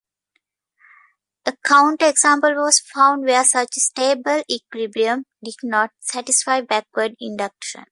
A counter-example was found where such a stable equilibrium did not satisfy backward induction.